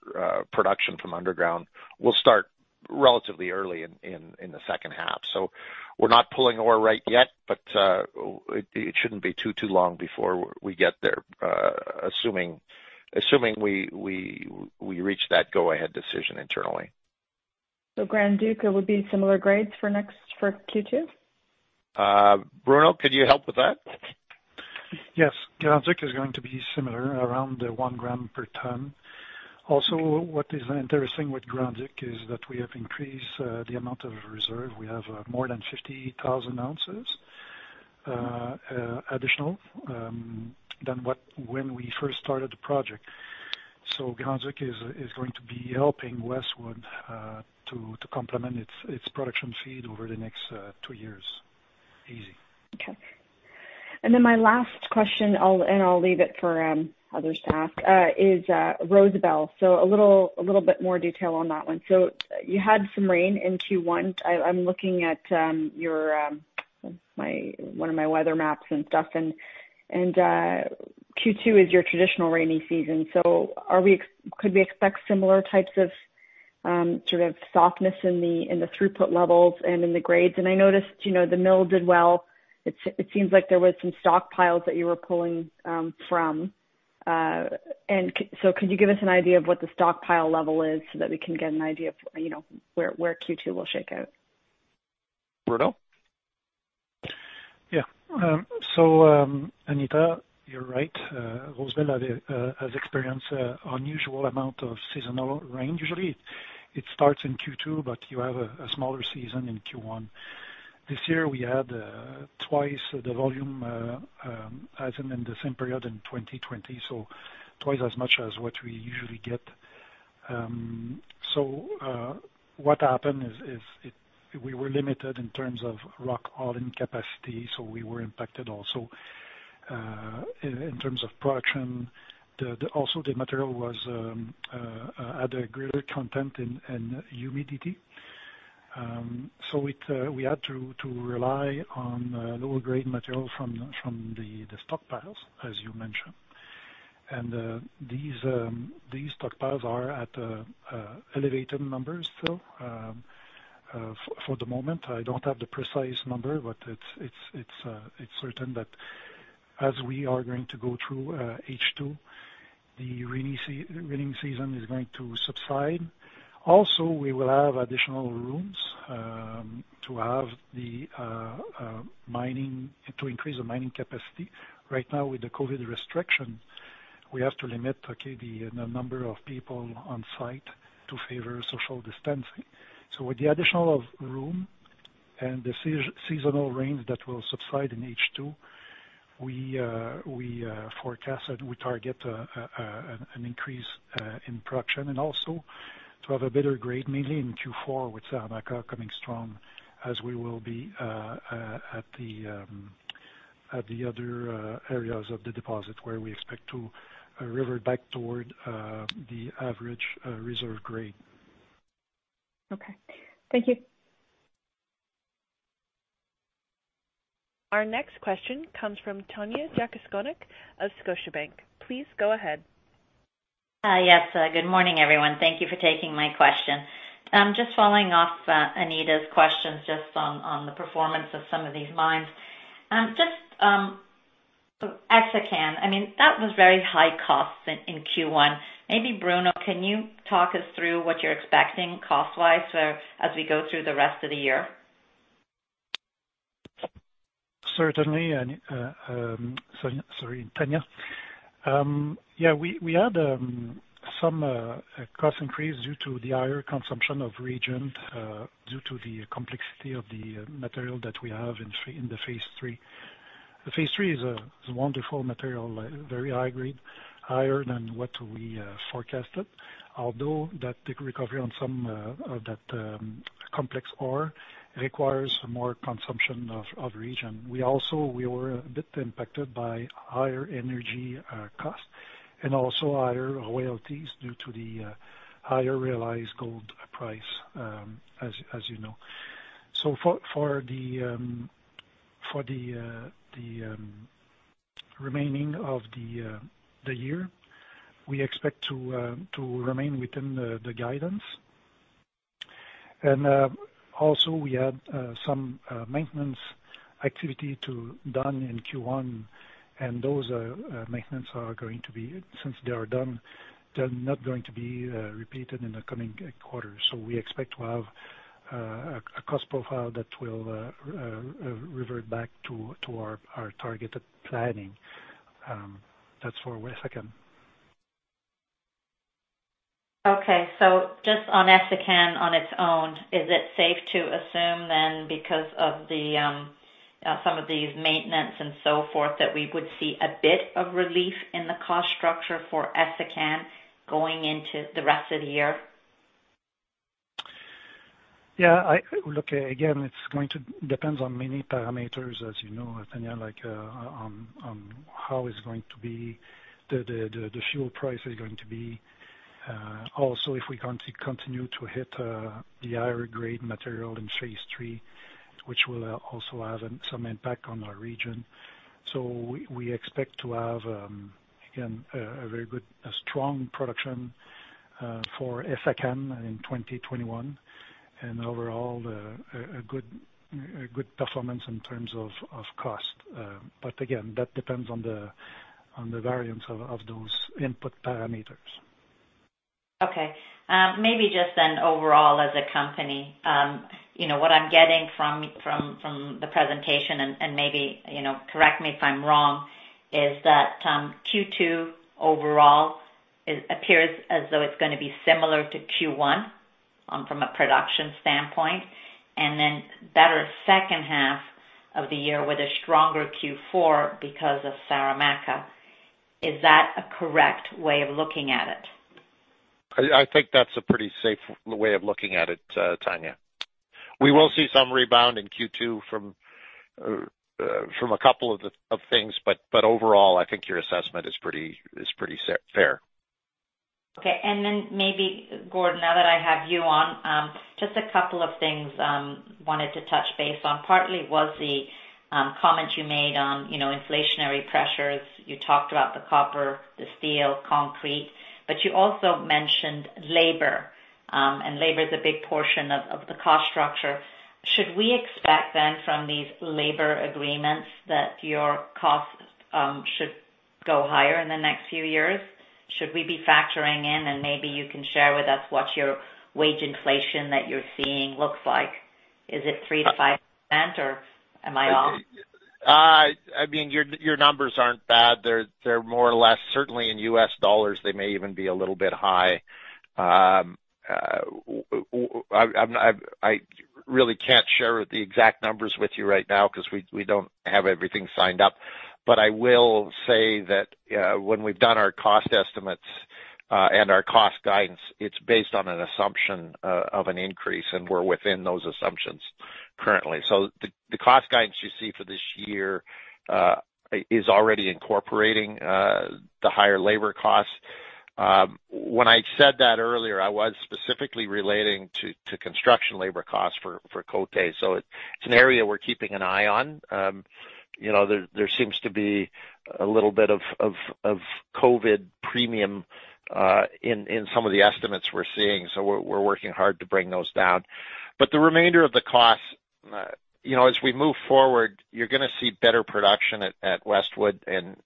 [SPEAKER 3] production from underground will start relatively early in the second half. We're not pulling ore right yet, but it shouldn't be too long before we get there, assuming we reach that go-ahead decision internally.
[SPEAKER 8] Grand Duc would be similar grades for Q2?
[SPEAKER 3] Bruno, could you help with that?
[SPEAKER 5] Yes. Grand Duc is going to be similar, around 1 gram per ton. Also, what is interesting with Grand Duc is that we have increased the amount of reserve. We have more than 50,000 ounces additional than when we first started the project. Grand Duc is going to be helping Westwood to complement its production feed over the next two years, easy.
[SPEAKER 8] Okay. My last question, and I'll leave it for others to ask, is Rosebel. A little bit more detail on that one. You had some rain in Q1. I'm looking at one of my weather maps and stuff, and Q2 is your traditional rainy season. Could we expect similar types of sort of softness in the throughput levels and in the grades? I noticed the mill did well. It seems like there was some stockpiles that you were pulling from. Could you give us an idea of what the stockpile level is so that we can get an idea of where Q2 will shake out?
[SPEAKER 3] Bruno?
[SPEAKER 5] Yeah. Anita, you're right. Rosebel has experienced unusual amount of seasonal rain. Usually it starts in Q2, you have a smaller season in Q1. This year, we had twice the volume as in the same period in 2020, so twice as much as what we usually get. What happened is we were limited in terms of rock hauling capacity, so we were impacted also in terms of production. Also, the material had a greater content in humidity, so we had to rely on lower grade material from the stockpiles, as you mentioned. These stockpiles are at elevated numbers still. For the moment, I don't have the precise number, but it's certain that as we are going to go through H2, the rainy season is going to subside. Also, we will have additional rooms to increase the mining capacity. With the COVID restriction, we have to limit the number of people on site to favor social distancing. With the additional room and the seasonal rains that will subside in H2, we forecast that we target an increase in production and also to have a better grade, mainly in Q4 with Saramacca coming strong as we will be at the other areas of the deposit where we expect to revert back toward the average reserve grade.
[SPEAKER 8] Okay. Thank you.
[SPEAKER 1] Our next question comes from Tanya Jakusconek of Scotiabank. Please go ahead.
[SPEAKER 9] Yes. Good morning, everyone. Thank Thank you for taking my question. Just following off Anita's questions just on the performance of some of these mines. Just Essakane, that was very high cost in Q1. Maybe Bruno, can you talk us through what you're expecting cost-wise as we go through the rest of the year?
[SPEAKER 5] Certainly, Tanya. We had some cost increase due to the higher consumption of reagent, due to the complexity of the material that we have in the phase III. The phase III is a wonderful material, very high grade, higher than what we forecasted. Although the recovery on some of that complex ore requires more consumption of reagent. We also were a bit impacted by higher energy cost and also higher royalties due to the higher realized gold price, as you know. For the remaining of the year, we expect to remain within the guidance. Also we had some maintenance activity done in Q1, and those maintenance, since they are done, they're not going to be repeated in the coming quarters. We expect to have a cost profile that will revert back to our targeted planning. That's for Essakane.
[SPEAKER 9] Just on Essakane on its own, is it safe to assume then because of some of these maintenance and so forth, that we would see a bit of relief in the cost structure for Essakane going into the rest of the year?
[SPEAKER 5] Yeah. Look, again, it depends on many parameters, as you know, Tanya, like on how the fuel price is going to be. Also, if we continue to hit the higher grade material in phase III, which will also have some impact on our region. We expect to have, again, a very good, strong production for Essakane in 2021. Overall, a good performance in terms of cost. Again, that depends on the variance of those input parameters.
[SPEAKER 9] Okay. Maybe just then overall as a company, what I'm getting from the presentation and maybe correct me if I'm wrong, is that Q2 overall appears as though it's going to be similar to Q1 from a production standpoint, and then better second half of the year with a stronger Q4 because of Saramacca. Is that a correct way of looking at it?
[SPEAKER 3] I think that's a pretty safe way of looking at it, Tanya. We will see some rebound in Q2 from a couple of things, but overall, I think your assessment is pretty fair.
[SPEAKER 9] Okay. Maybe, Gordon, now that I have you on, just a couple of things wanted to touch base on. Partly was the comment you made on inflationary pressures. You talked about the copper, the steel, concrete, but you also mentioned labor, and labor is a big portion of the cost structure. Should we expect from these labor agreements that your costs should go higher in the next few years? Should we be factoring in, and maybe you can share with us what your wage inflation that you're seeing looks like. Is it 3%-5% or am I off?
[SPEAKER 3] Your numbers aren't bad. They're more or less, certainly in US dollars, they may even be a little bit high. I really can't share the exact numbers with you right now because we don't have everything signed up. I will say that when we've done our cost estimates, and our cost guidance, it's based on an assumption of an increase, and we're within those assumptions currently. The cost guidance you see for this year, is already incorporating the higher labor costs. When I said that earlier, I was specifically relating to construction labor costs for Côté. It's an area we're keeping an eye on. There seems to be a little bit of COVID premium in some of the estimates we're seeing. We're working hard to bring those down. The remainder of the cost, as we move forward, you're going to see better production at Westwood and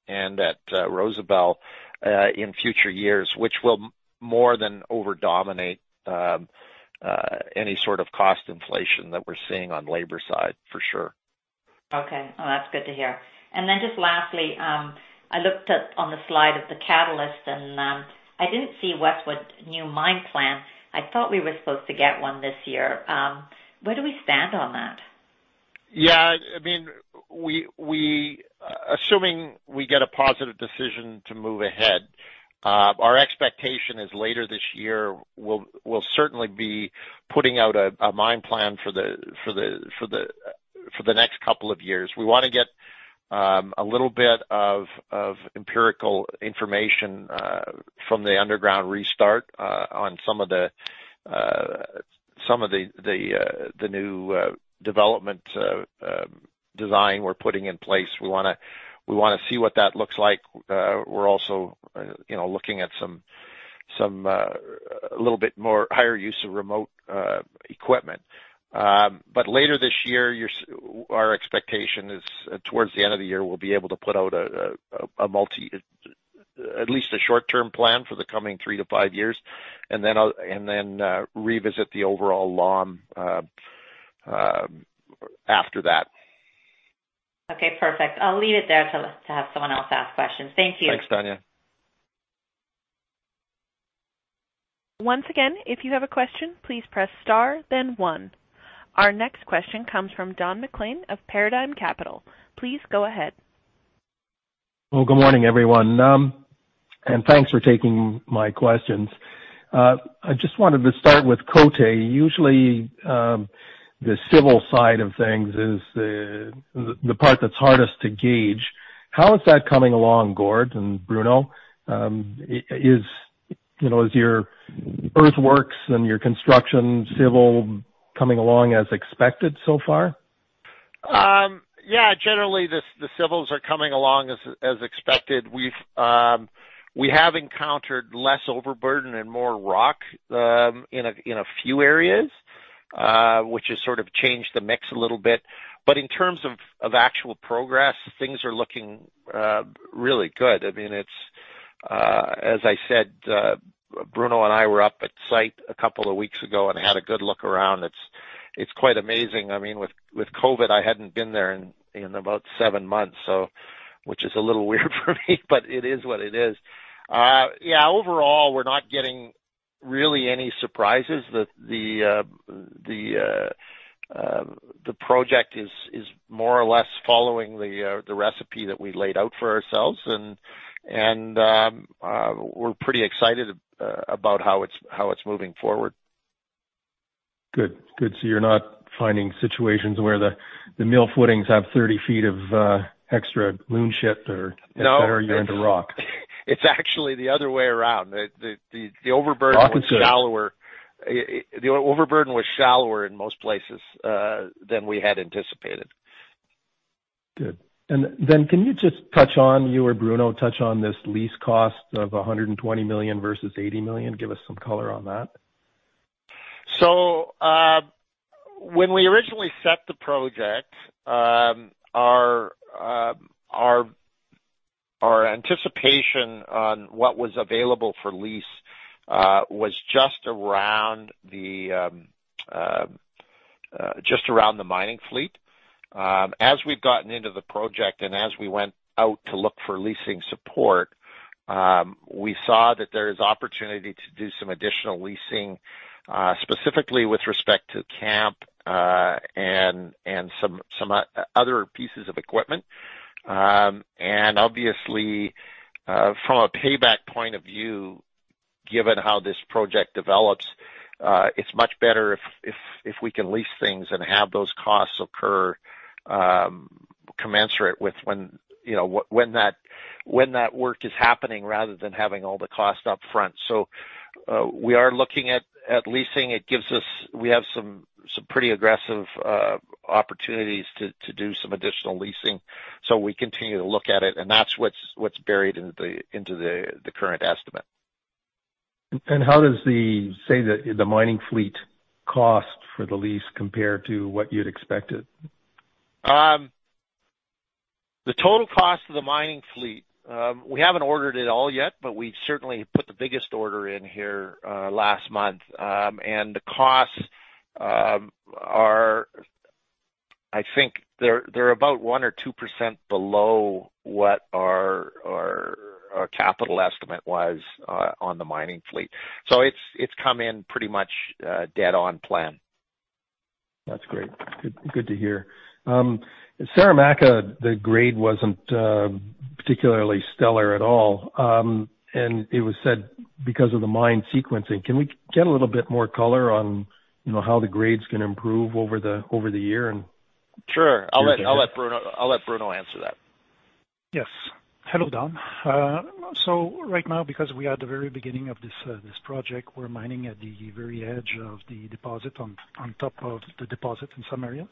[SPEAKER 3] at Rosebel in future years, which will more than overdominate any sort of cost inflation that we're seeing on labor side for sure.
[SPEAKER 9] Okay. That's good to hear. Just lastly, I looked at on the slide of the catalyst and I didn't see Westwood new mine plan. I thought we were supposed to get one this year. Where do we stand on that?
[SPEAKER 3] Assuming we get a positive decision to move ahead, our expectation is later this year, we'll certainly be putting out a mine plan for the next couple of years. We want to get a little bit of empirical information from the underground restart on some of the new development design we're putting in place. We want to see what that looks like. We're also looking at a little bit more higher use of remote equipment. Later this year, our expectation is towards the end of the year, we'll be able to put out at least a short-term plan for the coming three to five years, and then revisit the overall LOM after that.
[SPEAKER 9] Okay, perfect. I'll leave it there to have someone else ask questions. Thank you.
[SPEAKER 3] Thanks, Tanya.
[SPEAKER 1] Once again, if you have a question, please press star then one. Our next question comes from Don MacLean of Paradigm Capital. Please go ahead.
[SPEAKER 10] Well, good morning, everyone, and thanks for taking my questions. I just wanted to start with Côté. Usually, the civil side of things is the part that's hardest to gauge. How is that coming along, Gord and Bruno? Is your earthworks and your construction civil coming along as expected so far?
[SPEAKER 3] Yeah, generally, the civils are coming along as expected. We have encountered less overburden and more rock in a few areas, which has sort of changed the mix a little bit. In terms of actual progress, things are looking really good. As I said, Bruno and I were up at site a couple of weeks ago and had a good look around. It's quite amazing. With COVID, I hadn't been there in about seven months, which is a little weird for me, but it is what it is. Yeah, overall, we're not getting really any surprises. The project is more or less following the recipe that we laid out for ourselves, and we're pretty excited about how it's moving forward.
[SPEAKER 10] Good. You're not finding situations where the mill footings have 30 feet of extra loon shit.
[SPEAKER 3] No
[SPEAKER 10] Et cetera, you're into rock.
[SPEAKER 3] It's actually the other way around.
[SPEAKER 10] Rock and soil.
[SPEAKER 3] The overburden was shallower in most places than we had anticipated.
[SPEAKER 10] Good. Can you or Bruno touch on this lease cost of $120 million versus $80 million? Give us some color on that.
[SPEAKER 3] When we originally set the project, our anticipation on what was available for lease was just around the mining fleet. As we've gotten into the project and as we went out to look for leasing support, we saw that there is opportunity to do some additional leasing, specifically with respect to camp, and some other pieces of equipment. Obviously, from a payback point of view, given how this project develops, it's much better if we can lease things and have those costs occur commensurate with when that work is happening rather than having all the cost up front. We are looking at leasing. We have some pretty aggressive opportunities to do some additional leasing. We continue to look at it, and that's what's buried into the current estimate.
[SPEAKER 10] How does the, say, the mining fleet cost for the lease compare to what you'd expected?
[SPEAKER 3] The total cost of the mining fleet, we haven't ordered it all yet, but we've certainly put the biggest order in here last month. The costs are, I think, they're about 1% or 2% below what our capital estimate was on the mining fleet. It's come in pretty much dead on plan.
[SPEAKER 10] That's great. Good to hear. Saramacca, the grade wasn't particularly stellar at all, and it was said because of the mine sequencing. Can we get a little bit more color on how the grades can improve over the year and?
[SPEAKER 3] Sure. I'll let Bruno answer that.
[SPEAKER 5] Yes. Hello, Don. Right now, because we are at the very beginning of this project, we're mining at the very edge of the deposit, on top of the deposit in some areas.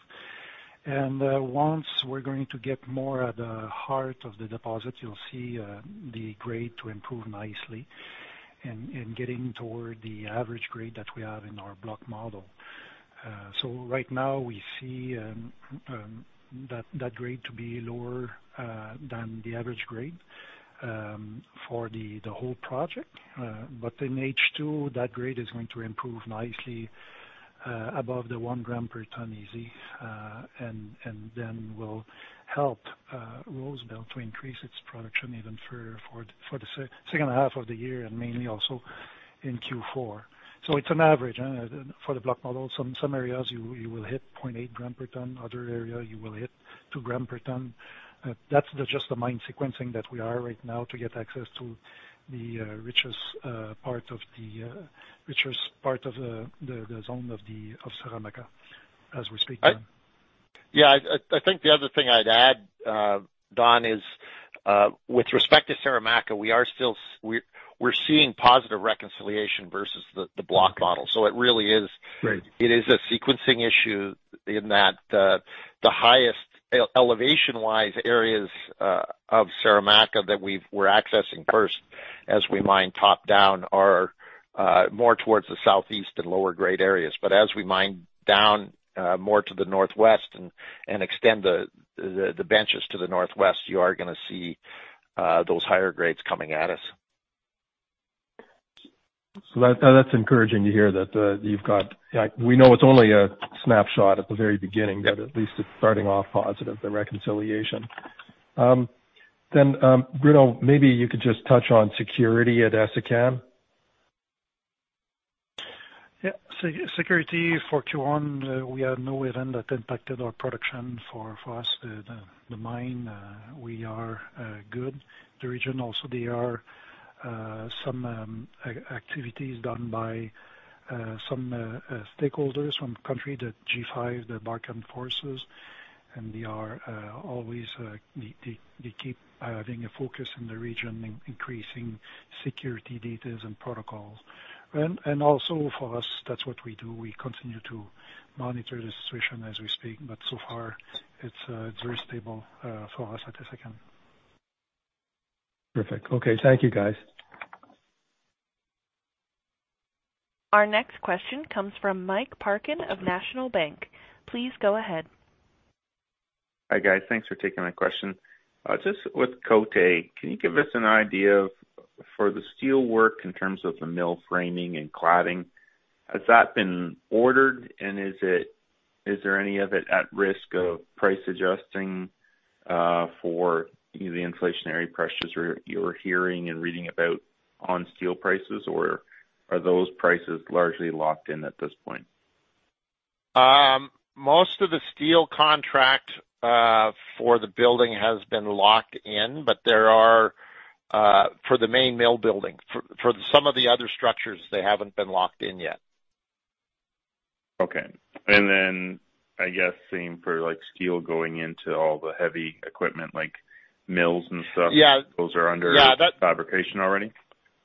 [SPEAKER 5] Once we're going to get more at the heart of the deposit, you'll see the grade to improve nicely and getting toward the average grade that we have in our block model. Right now we see that grade to be lower than the average grade for the whole project. In H2, that grade is going to improve nicely above the 1 gram per tonne easy, and then will help Rosebel to increase its production even for the second half of the year and mainly also in Q4. It's an average for the block model. Some areas you will hit 0.8 gram per tonne, other area you will hit 2 gram per tonne. That's just the mine sequencing that we are right now to get access to the richest part of the zone of Saramacca as we speak now.
[SPEAKER 3] Yeah, I think the other thing I'd add, Don, is with respect to Saramacca, we're seeing positive reconciliation versus the block model. It is a sequencing issue in that the highest elevation-wise areas of Saramacca that we're accessing first as we mine top-down are more towards the southeast and lower grade areas. As we mine down more to the northwest and extend the benches to the northwest, you are going to see those higher grades coming at us.
[SPEAKER 10] That's encouraging to hear. We know it's only a snapshot at the very beginning, but at least it's starting off positive, the reconciliation. Bruno, maybe you could just touch on security at Essakane.
[SPEAKER 5] Yeah. Security for Q1, we had no event that impacted our production for us. The mine, we are good. The region also, there are some activities done by some stakeholders from country, the G5, the Barkhane forces, and they keep having a focus in the region, increasing security details and protocols. Also for us, that's what we do. We continue to monitor the situation as we speak, but so far it's very stable for us at Essakane.
[SPEAKER 10] Perfect. Okay. Thank you, guys.
[SPEAKER 1] Our next question comes from Mike Parkin of National Bank. Please go ahead.
[SPEAKER 11] Hi, guys. Thanks for taking my question. Just with Côté, can you give us an idea for the steel work in terms of the mill framing and cladding, has that been ordered and is there any of it at risk of price adjusting for the inflationary pressures you're hearing and reading about on steel prices, or are those prices largely locked in at this point?
[SPEAKER 3] Most of the steel contract for the building has been locked in, but there are, for the main mill building. For some of the other structures, they haven't been locked in yet.
[SPEAKER 11] Okay. Then, I guess same for steel going into all the heavy equipment, like mills and stuff. Those are under fabrication already?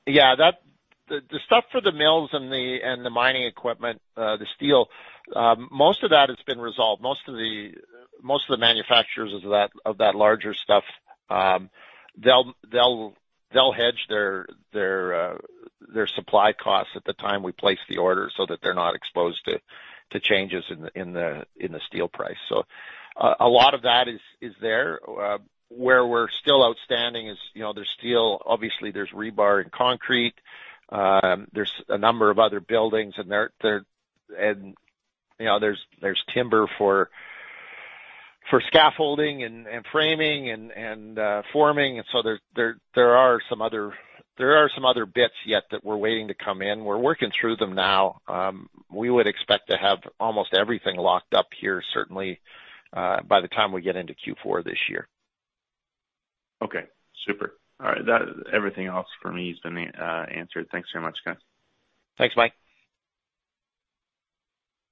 [SPEAKER 3] The stuff for the mills and the mining equipment, the steel, most of that has been resolved. Most of the manufacturers of that larger stuff, they'll hedge their supply costs at the time we place the order so that they're not exposed to changes in the steel price. A lot of that is there. Where we're still outstanding is there's steel, obviously there's rebar and concrete. There's a number of other buildings, and there's timber for scaffolding and framing and forming. There are some other bits yet that we're waiting to come in. We're working through them now. We would expect to have almost everything locked up here, certainly, by the time we get into Q4 this year.
[SPEAKER 11] Okay, super. All right. Everything else for me has been answered. Thanks very much, guys.
[SPEAKER 3] Thanks, Mike.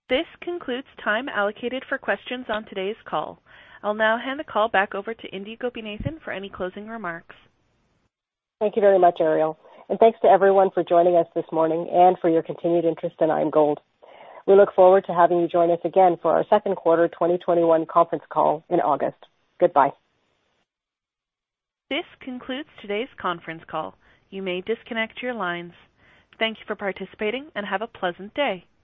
[SPEAKER 1] This concludes time allocated for questions on today's call. I'll now hand the call back over to Indi Gopinathan for any closing remarks.
[SPEAKER 2] Thank you very much, Ariel. Thanks to everyone for joining us this morning and for your continued interest in IAMGOLD. We look forward to having you join us again for our second quarter 2021 conference call in August. Goodbye.
[SPEAKER 1] This concludes today's conference call. You may disconnect your lines. Thank you for participating and have a pleasant day.